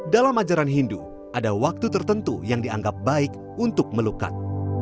dalam ajaran hindu ada waktu tertentu yang dianggap baik untuk melukat